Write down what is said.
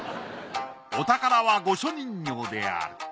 お宝は御所人形である。